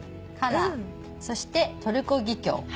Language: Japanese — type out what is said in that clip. そしてトルコギキョウ。